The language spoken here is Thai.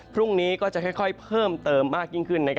พรุ่งนี้ก็จะค่อยเพิ่มเติมมากยิ่งขึ้น